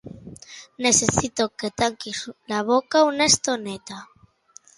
Necessito que tanquis la boca una estoneta.